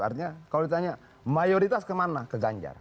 artinya kalau ditanya mayoritas kemana ke ganjar